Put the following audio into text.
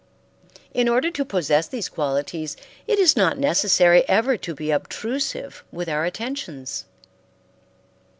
In order to possess these qualities, it is not necessary ever to be obtrusive with our attentions.